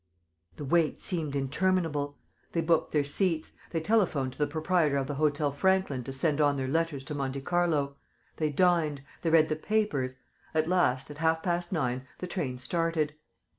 The wait seemed interminable. They booked their seats. They telephoned to the proprietor of the Hôtel Franklin to send on their letters to Monte Carlo. They dined. They read the papers. At last, at half past nine, the train started.